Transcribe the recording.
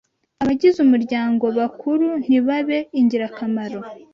abagize umuryango bakuru ntibabe ingirakamaro